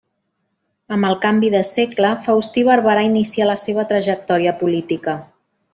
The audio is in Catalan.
Amb el canvi de segle, Faustí Barberà inicià la seva trajectòria política.